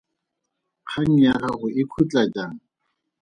Kgang ya gago e khutla jang?